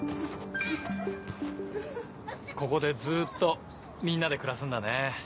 ここでずっとみんなで暮らすんだね。